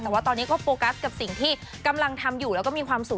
แต่ว่าตอนนี้ก็โฟกัสกับสิ่งที่กำลังทำอยู่แล้วก็มีความสุข